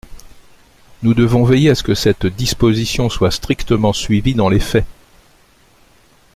Nous devons veiller à ce que cette disposition soit strictement suivie dans les faits.